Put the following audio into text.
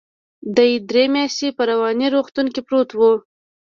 دى درې مياشتې په رواني روغتون کې پروت و.